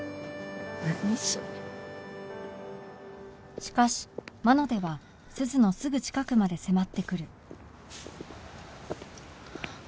しかし魔の手は鈴のすぐ近くまで迫ってくる